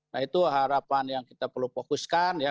nah itu harapan yang kita perlu fokuskan ya